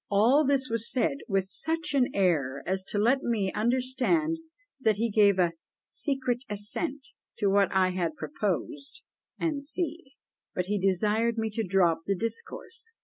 "All this was said with such an air, as to let me understand that he gave a secret assent to what I had proposed, &c. but he desired me to drop the discourse."